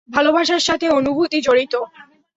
ভালোবাসার সাথে অনুভূতি জড়িত।